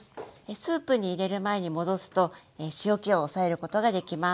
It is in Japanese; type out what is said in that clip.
スープに入れる前に戻すと塩けを抑えることができます。